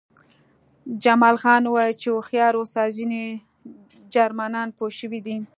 جمال خان وویل چې هوښیار اوسه ځینې جرمنان پوه شوي دي